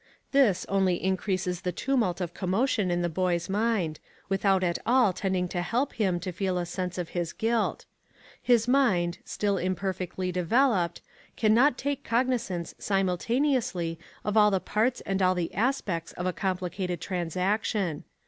This only increases the tumult of commotion in the boy's mind, without at all tending to help him to feel a sense of his guilt. His mind, still imperfectly developed, can not take cognizance simultaneously of all the parts and all the aspects of a complicated transaction.